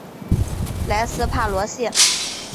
莱斯帕罗谢。